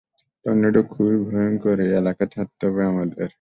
Tornado খুবই ভয়ংকর, এই এলাকা ছাড়তে হবে আমাদের।